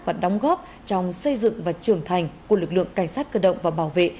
và đóng góp trong xây dựng và trưởng thành của lực lượng cảnh sát cơ động và bảo vệ